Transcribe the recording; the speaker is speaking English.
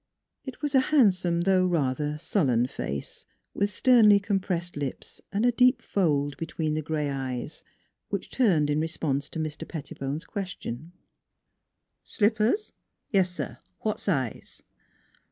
It was a handsome, though rather sullen face, with sternly compressed lips and a deep fold between the gray eyes, which turned in response to Mr. Pettibone's question. " Slippers? Yes, sir; what size?